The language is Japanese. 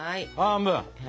半分。